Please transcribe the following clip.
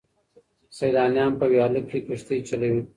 سیلانیان په ویاله کې کښتۍ چلوي.